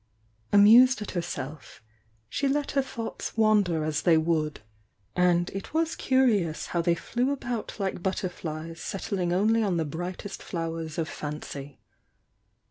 Amused at herself she let her thoughts wander as they would — and it was curious how they flew about like butterflies settling only on the brightest flowers of fancy.